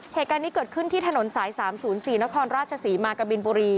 เหตุการณ์นี้เกิดขึ้นที่ถนนสาย๓๐๔นครราชศรีมากะบินบุรี